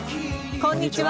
こんにちは。